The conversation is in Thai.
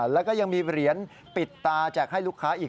แล้วก็ยังมีเหรียญปิดตาแจกให้ลูกค้าอีก